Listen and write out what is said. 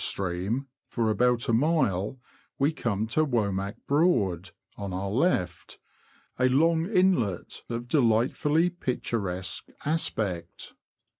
Stream, for about a mile, we come to Womack Broad, on our left — a long inlet, of delightfully picturesque aspect.